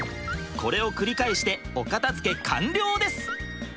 これを繰り返してお片づけ完了です！